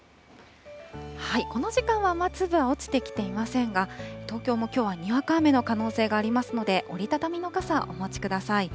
この時間は雨粒は落ちてきていませんが、東京もきょうはにわか雨の可能性がありますので、折り畳みの傘、お持ちください。